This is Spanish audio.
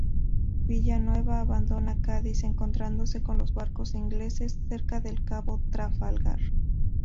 Villeneuve abandona Cádiz encontrándose con los barcos ingleses cerca del Cabo Trafalgar.